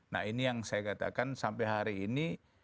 nah ini yang saya katakan sampai hari ini